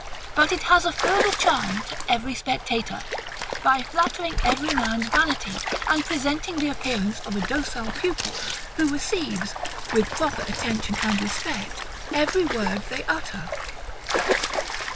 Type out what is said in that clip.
But it has a further charm to every spectator; by flattering every man's vanity, and presenting the appearance of a docile pupil, who receives, with proper attention and respect, every word they utter.